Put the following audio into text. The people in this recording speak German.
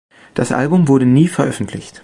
Das Album wurde nie veröffentlicht.